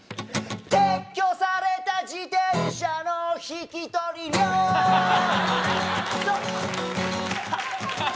撤去された自転車の引き取り料いくぞ